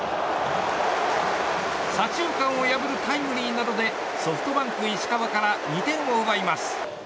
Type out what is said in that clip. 左中間を破るタイムリーなどでソフトバンク石川から２点を奪います。